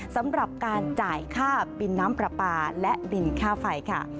สำหรับการจ่ายค่าบินน้ำปลาปลาและบินค่าไฟค่ะ